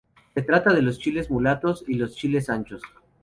Se trata de los chiles mulatos y los chiles anchos.